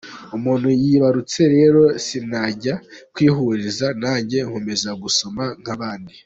Umuntu yibarutse rero sinajya kwihuruza, nanjye nkomeza gusoma nk’abandi.